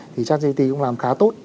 thì chatgpt cũng làm khá tốt